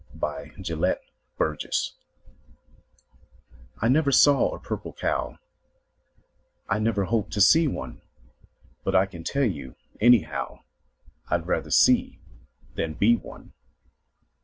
—Adapted THE PURPLE COW* I never Saw a Purple Cow; I never Hope to See one; But I can Tell you. Anyhow, Fd rather See than Be one.